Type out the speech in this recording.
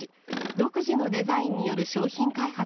独自のデザインによる商品開発を模索。